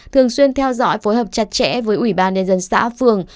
thường xuyên theo dõi phối hợp chặt chẽ với ủy ban nhân dân xã phường